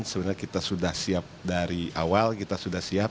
sebenarnya kita sudah siap dari awal kita sudah siap